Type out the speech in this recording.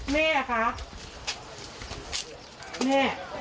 แม่คะแม่